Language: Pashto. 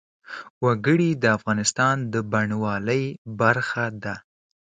وګړي د افغانستان د بڼوالۍ برخه ده.